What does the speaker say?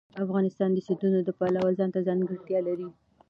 افغانستان د سیندونه د پلوه ځانته ځانګړتیا لري.